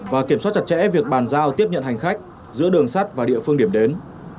và kiểm soát chặt chẽ việc bàn giao tiếp nhận hành khách giữa đường sắt và địa phương điểm đến